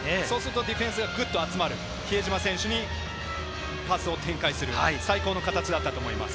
ディフェンスがグッと集まる比江島選手にパスを展開する最高の形だったと思います。